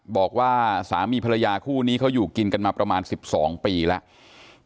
บอกว่าสามีภรรยาคู่นี้เขาอยู่กินกันมาประมาณ๑๒ปีแล้ว